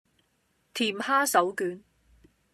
甜蝦手卷